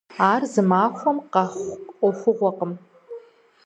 Ар зы махуэм къэхъу Ӏуэхугъуэкъым.